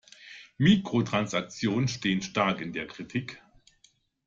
Mikrotransaktionen stehen stark in der Kritik.